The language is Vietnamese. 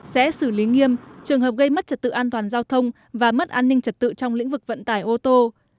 sẽ xử lý nghiêm trường hợp gây mất trật tự an toàn giao thông và mất an ninh trật tự trong lĩnh vực vận tải ô tô